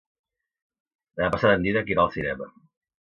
Demà passat en Dídac irà al cinema.